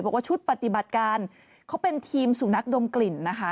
บอกว่าชุดปฏิบัติการเขาเป็นทีมสุนัขดมกลิ่นนะคะ